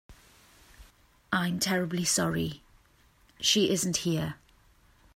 I'm terribly sorry she isn't here.